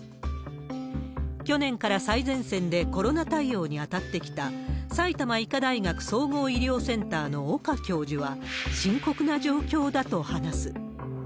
去年から最前線でコロナ対応に当たってきた、埼玉医科大学総合医療センターの岡教授は、深刻な状況だと話す。